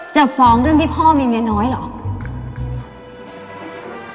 จะฟ้องเรื่องที่พ่อมีเมียน้อยเหรอ